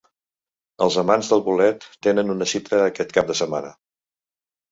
Els amants del bolet tenen una cita aquest cap de setmana.